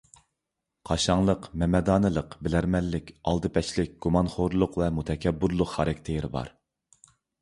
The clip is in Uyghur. قاشاڭلىق، مەمەدانلىق، بىلەرمەنلىك، ئالدىپەشلىك، گۇمانخورلۇق ۋە مۇتەكەببۇرلۇق خاراكتېرى بار.